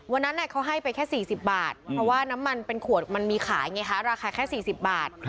วันนั้นเขาให้ไปแค่๔๐บาทเพราะว่าน้ำมันเป็นขวดมันมีขายไงคะราคาแค่๔๐บาท